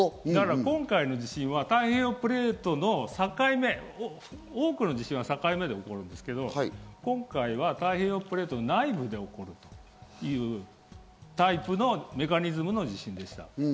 今回の地震は太平洋プレートの境目、多くの地震は境目で起こるんですけど、今回は太平洋プレート内部で起きたというタイプのメカニズムの地震でした。